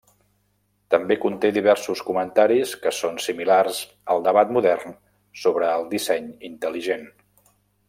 També conté diversos comentaris que són similars al debat modern sobre el disseny intel·ligent.